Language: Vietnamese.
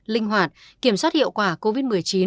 linh hoạt kiểm soát hiệu quả covid một mươi chín